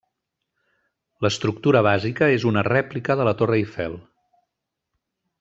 L'estructura bàsica és una rèplica de la Torre Eiffel.